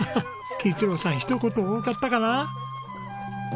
紀一郎さんひと言多かったかな？